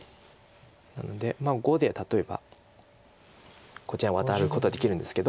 なので⑤で例えばこちらワタることはできるんですけど。